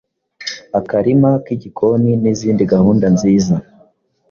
akarima k’igikoni n’izindi guhunda nziza